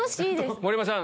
盛山さん